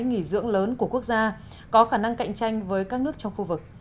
nghỉ dưỡng lớn của quốc gia có khả năng cạnh tranh với các nước trong khu vực